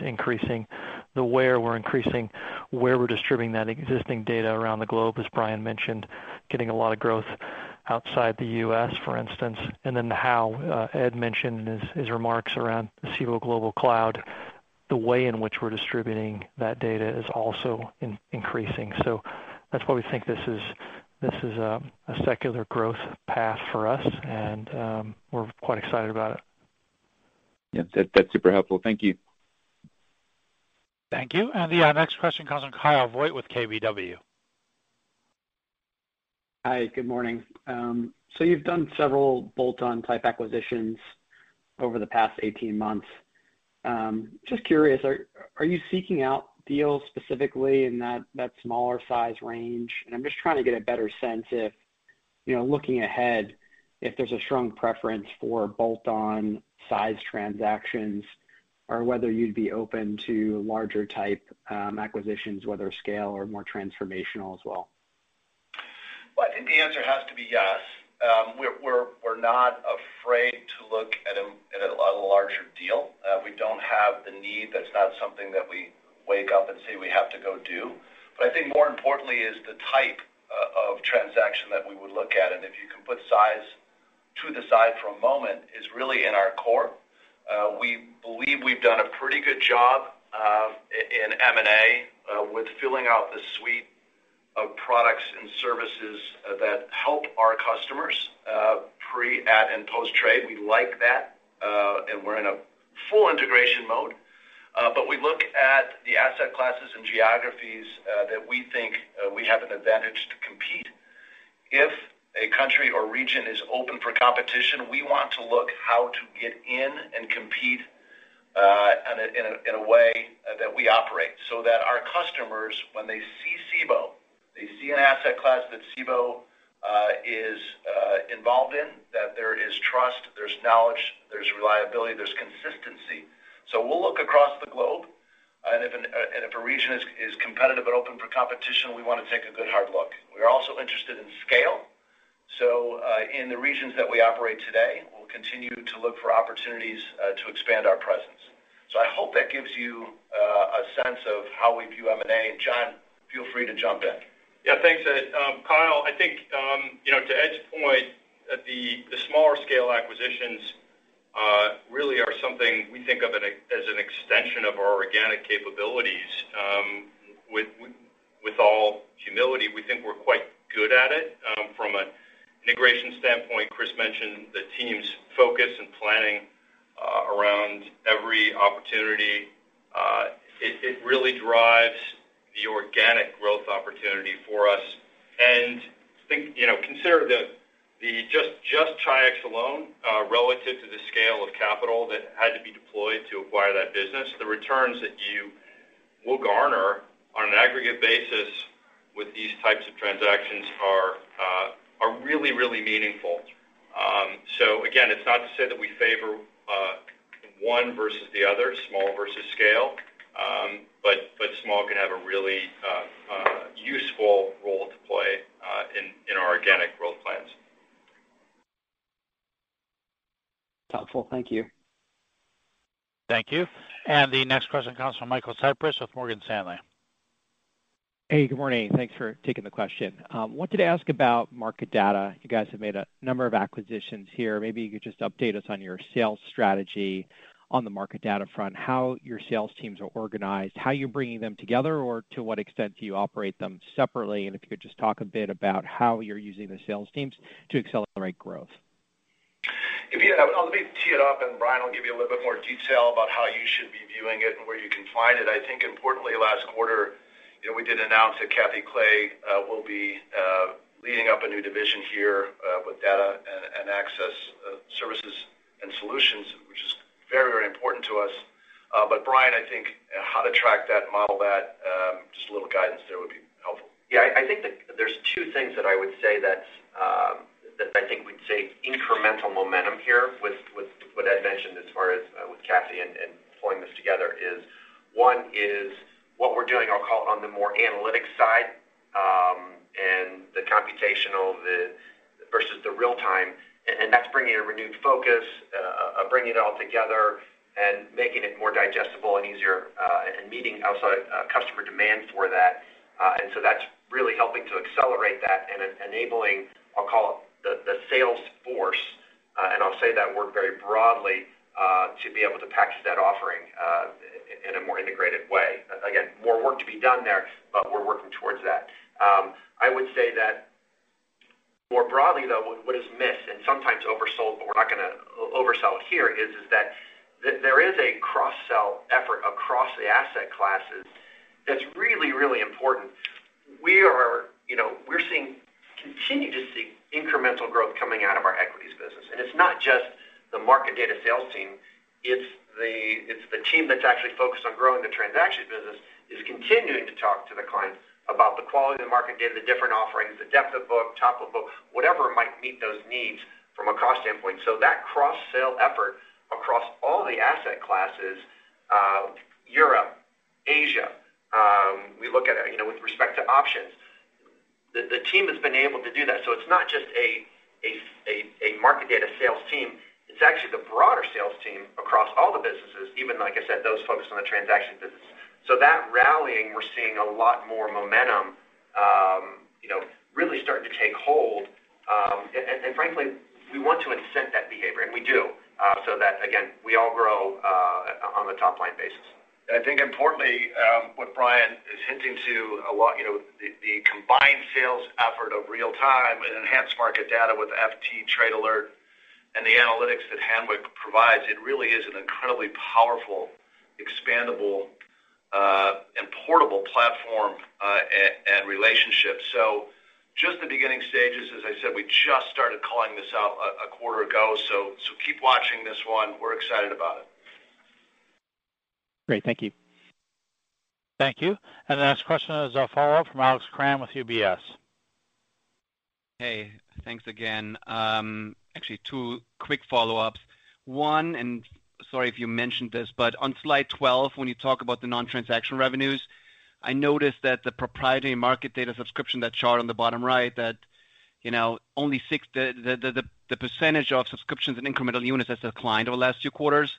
increasing. The where, we're increasing where we're distributing that existing data around the globe, as Brian mentioned, getting a lot of growth outside the U.S., for instance. The how, Ed mentioned in his remarks around the Cboe Global Cloud, the way in which we're distributing that data is also increasing. That's why we think this is a secular growth path for us, and we're quite excited about it. Yeah. That's super helpful. Thank you. Thank you. The next question comes from Kyle Voigt with KBW. Hi. Good morning. You've done several bolt-on type acquisitions over the past 18 months. Just curious, are you seeking out deals specifically in that smaller size range? I'm just trying to get a better sense if, looking ahead, if there's a strong preference for bolt-on size transactions or whether you'd be open to larger type acquisitions, whether scale or more transformational as well. Well, I think the answer has to be yes. We're not afraid to look at a larger deal. We don't have the need. That's not something that we wake up and say we have to go do. I think more importantly is the type of transaction that we would look at, and if you can put size to the side for a moment, is really in our core. We believe we've done a pretty good job in M&A with filling out the suite of products and services that help our customers pre, at, and post-trade. We like that. We're in a full integration mode. We look at the asset classes and geographies that we think we have an advantage to compete. If a country or region is open for competition, we want to look how to get in and compete in a way that we operate so that our customers, when they see Cboe, they see an asset class that Cboe is involved in, that there is trust, there's knowledge, there's reliability, there's consistency. We'll look across the globe, and if a region is competitive but open for competition, we want to take a good hard look. We're also interested in scale. In the regions that we operate today, we'll continue to look for opportunities to expand our presence. I hope that gives you a sense of how we view M&A. John, feel free to jump in. Thanks, Ed. Kyle, I think, to Ed's point, the smaller scale acquisitions really are something we think of as an extension of our organic capabilities. With all humility, we think we're quite good at it from an integration standpoint. Chris mentioned the team's focus and planning around every opportunity. It really drives the organic growth opportunity for us. Consider the just Chi-X alone, relative to the scale of capital that had to be deployed to acquire that business. The returns that you will garner on an aggregate basis with these types of transactions are really meaningful. Again, it's not to say that we favor one versus the other, small versus scale, but small can have a really useful role to play in our organic growth plans. Thoughtful. Thank you. Thank you. The next question comes from Michael Cyprys with Morgan Stanley. Hey, good morning. Thanks for taking the question. Wanted to ask about market data. You guys have made a number of acquisitions here. Maybe you could just update us on your sales strategy on the market data front, how your sales teams are organized, how you're bringing them together, or to what extent do you operate them separately, and if you could just talk a bit about how you're using the sales teams to accelerate growth. Let me tee it up. Brian will give you a little bit more detail about how you should be viewing it and where you can find it. I think importantly, last quarter, we did announce that Cathy Clay will be leading up a new division here with data and access services and solutions to us. Brian, I think how to track that and model that, just a little guidance there would be helpful. I think that there's two things that I would say that I think we'd say incremental momentum here with what Ed mentioned as far as with Cathy and pulling this together is, one is what we're doing, I'll call it, on the more analytics side and the computational versus the real-time. That's bringing a renewed focus of bringing it all together and making it more digestible and easier, and meeting outside customer demand for that. That's really helping to accelerate that and enabling, I'll call it, the sales force, and I'll say that word very broadly, to be able to package that offering in a more integrated way. Again, more work to be done there, we're working towards that. I would say that more broadly, though, what is missed and sometimes oversold, but we're not going to oversell it here, is that there is a cross-sell effort across the asset classes that's really, really important. We're continuing to see incremental growth coming out of our equities business. It's not just the market data sales team, it's the team that's actually focused on growing the transactions business is continuing to talk to the clients about the quality of the market data, the different offerings, the depth of book, top of book, whatever might meet those needs from a cost standpoint. That cross-sell effort across all the asset classes, Europe, Asia, we look at it with respect to options. The team has been able to do that. It's not just a market data sales team, it's actually the broader sales team across all the businesses, even, like I said, those focused on the transactions business. That rallying, we're seeing a lot more momentum really starting to take hold. Frankly, we want to incent that behavior, and we do, so that, again, we all grow on the top-line basis. I think importantly, what Brian is hinting to a lot, the combined sales effort of real-time and enhanced market data with Trade Alert and the analytics that Hanweck provides, it really is an incredibly powerful, expandable, and portable platform and relationship. Just the beginning stages, as I said, we just started calling this out a quarter ago, so keep watching this one. We're excited about it. Great. Thank you. Thank you. The next question is a follow-up from Alex Kramm with UBS. Hey, thanks again. Actually, two quick follow-ups. One, and sorry if you mentioned this, but on slide 12, when you talk about the non-transaction revenues, I noticed that the proprietary market data subscription, that chart on the bottom right, that the percentage of subscriptions and incremental units has declined over the last two quarters.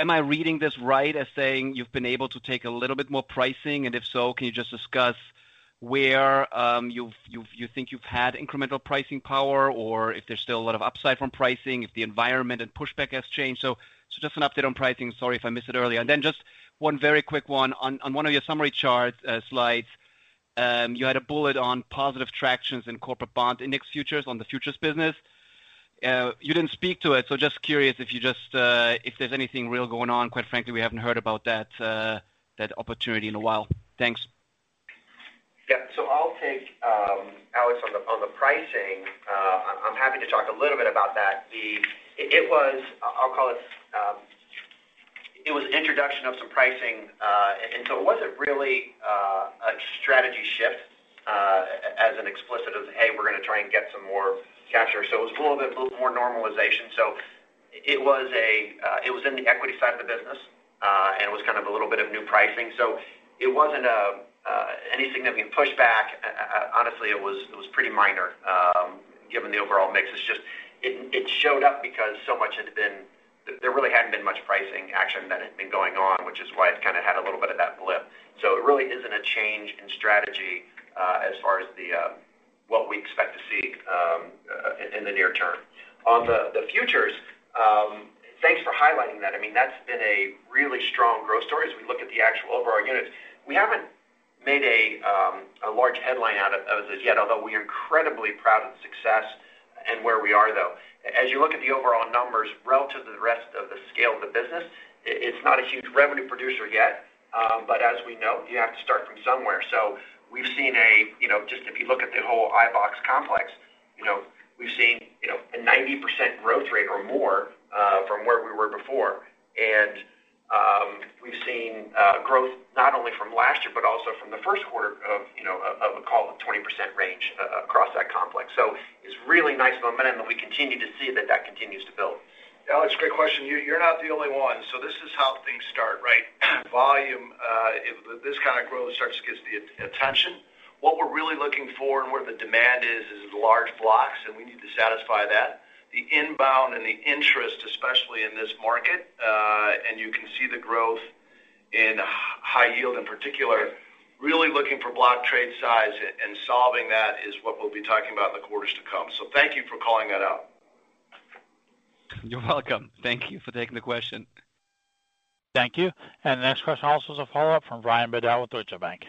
Am I reading this right as saying you've been able to take a little bit more pricing? If so, can you just discuss where you think you've had incremental pricing power, or if there's still a lot of upside from pricing, if the environment and pushback has changed? Just an update on pricing. Sorry if I missed it earlier. Just one very quick one. On one of your summary charts slides, you had a bullet on positive tractions in corporate bond index futures on the futures business. You didn't speak to it, so just curious if there's anything real going on. Quite frankly, we haven't heard about that opportunity in a while. Thanks. Yeah. I'll take, Alex, on the pricing. I'm happy to talk a little bit about that. It was an introduction of some pricing, it wasn't really a strategy shift as an explicit of, "Hey, we're going to try and get some more capture." It was a little bit more normalization. It was in the equity side of the business, and it was kind of a little bit of new pricing. It wasn't anything that we pushed back. Honestly, it was pretty minor given the overall mix. It showed up because there really hadn't been much pricing action that had been going on, which is why it's kind of had a little bit of that blip. It really isn't a change in strategy as far as what we expect to see in the near term. On the futures, thanks for highlighting that. That's been a really strong growth story as we look at the actual overall units. We haven't made a large headline out of those as yet, although we're incredibly proud of the success and where we are, though. You look at the overall numbers relative to the rest of the scale of the business, it's not a huge revenue producer yet. As we know, you have to start from somewhere. Just if you look at the whole iBoxx complex, we've seen a 90% growth rate or more from where we were before, and we've seen growth not only from last year, but also from the first quarter of a call of 20% range across that complex. It's really nice momentum, and we continue to see that that continues to build. Alex, great question. You're not the only one. This is how things start. Volume, this kind of growth starts to get the attention. What we're really looking for and where the demand is large blocks, and we need to satisfy that. The inbound and the interest, especially in this market, and you can see the growth in high yield in particular, really looking for block trade size and solving that is what we'll be talking about in the quarters to come. Thank you for calling that out. You're welcome. Thank you for taking the question. Thank you. The next question also is a follow-up from Brian Bedell with Deutsche Bank.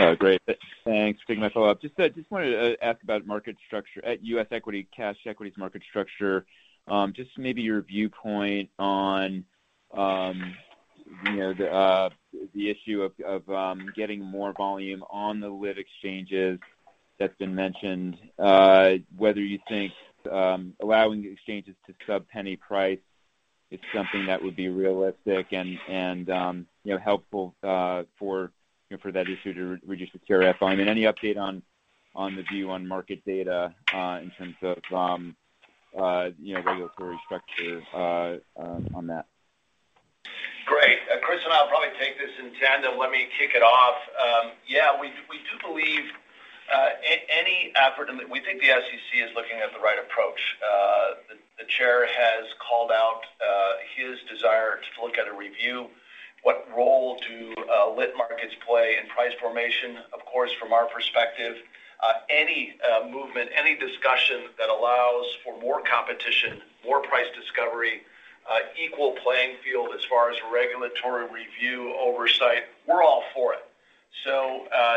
Oh, great. Thanks. Thinking my follow-up. Just wanted to ask about market structure at U.S. equity, cash equities market structure. Just maybe your viewpoint on the issue of getting more volume on the lit exchanges that's been mentioned, whether you think allowing the exchanges to sub-penny price is something that would be realistic and helpful for that issue to reduce the carry fees. Any update on the view on market data in terms of regulatory structure on that? Great. Chris and I'll probably take this in tandem. Let me kick it off. Yeah, we think the SEC is looking at the right approach. The chair has called out his desire to look at a review. What role do lit markets play in price formation? Of course, from our perspective, any movement, any discussion that allows for more competition, more price discovery, equal playing field as far as regulatory review oversight, we're all for it.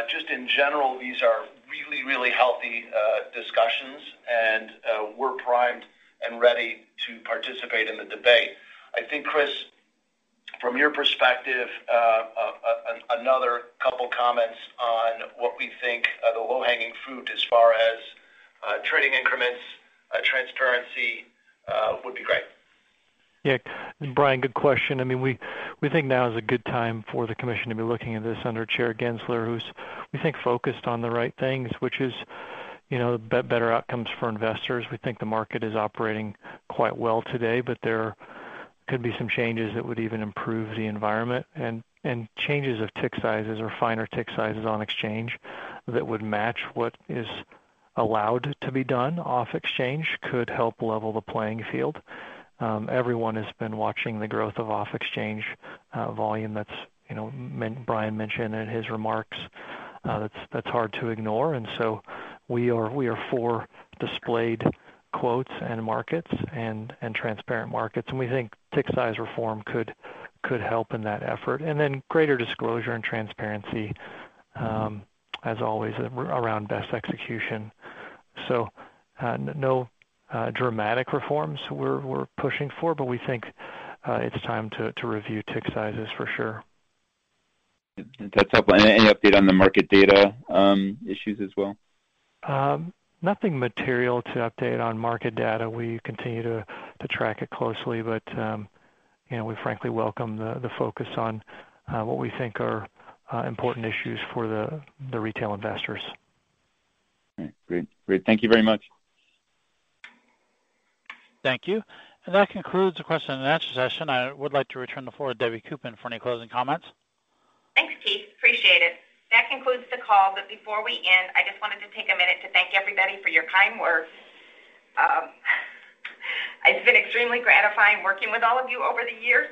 Just in general, these are really, really healthy discussions and we're primed and ready to participate in the debate. I think, Chris, from your perspective, another couple of comments on what we think the low-hanging fruit as far as trading increments, transparency would be great. Brian, good question. We think now is a good time for the Commission to be looking at this under Gary Gensler, who's, we think, focused on the right things, which is better outcomes for investors. We think the market is operating quite well today. There could be some changes that would even improve the environment and changes of tick sizes or finer tick sizes on exchange that would match what is allowed to be done off exchange could help level the playing field. Everyone has been watching the growth of off-exchange volume that Brian mentioned in his remarks. That's hard to ignore. We are for displayed quotes in markets and transparent markets, and we think tick size reform could help in that effort. Greater disclosure and transparency, as always, around best execution. No dramatic reforms we're pushing for, but we think it's time to review tick sizes for sure. That's helpful. Any update on the market data issues as well? Nothing material to update on market data. We continue to track it closely, we frankly welcome the focus on what we think are important issues for the retail investors. All right. Great. Thank you very much. Thank you. That concludes the question-and-answer session. I would like to return the floor to Debbie Koopman for any closing comments. Thanks, Keith. Appreciate it. That concludes the call. Before we end, I just wanted to take a minute to thank everybody for your kind words. It's been extremely gratifying working with all of you over the years.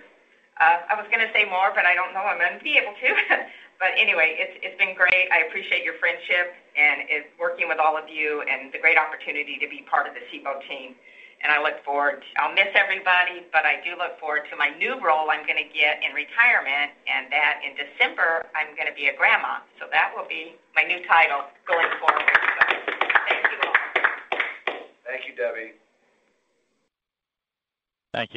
I was going to say more, but I don't know I'm going to be able to. Anyway, it's been great. I appreciate your friendship and working with all of you and the great opportunity to be part of the Cboe team. I'll miss everybody, but I do look forward to my new role I'm going to get in retirement, and that in December, I'm going to be a grandma. That will be my new title going forward. Thank you all. Thank you, Debbie. Thank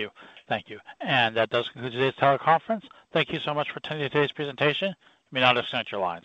you. That does conclude today's teleconference. Thank you so much for attending today's presentation. You may now disconnect your lines.